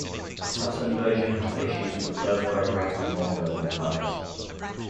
The Saturn version has issues with low frame rate and long loading times.